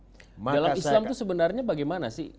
dalam islam itu sebenarnya bagaimana sih